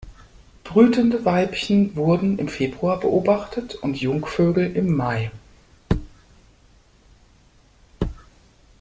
Brütende Weibchen wurden im Februar beobachtet und Jungvögel im Mai.